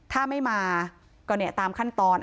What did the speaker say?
ถ้าไม่มาก็ตามขั้นตอน